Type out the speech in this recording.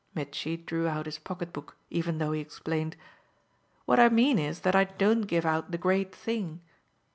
Mitchy drew out his pocket book even though he explained. "What I mean is that I don't give out the great thing."